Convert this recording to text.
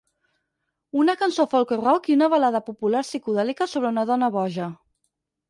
Una cançó folk rock i una balada popular psicodèlica sobre una dona boja.